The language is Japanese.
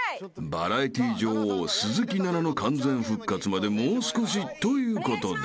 ［バラエティー女王鈴木奈々の完全復活までもう少しということで］